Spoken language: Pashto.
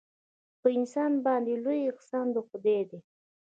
په انسان باندې لوی احسان د خدای دی.